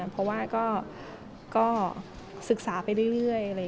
เพราะว่าก็ศึกษาไปเรื่อย